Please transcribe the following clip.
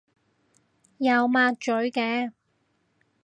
有抹嘴嘅